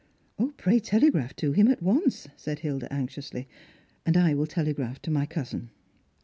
" Pray telegraph to him at once," said Hilda anxiously; " and I will telegraph to my cousin."